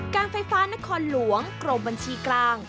การไฟฟ้านครหลวงกรมบัญชีกลาง